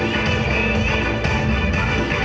จะรักกันหนึ่ง